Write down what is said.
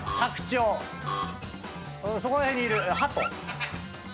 そこら辺にいるハト。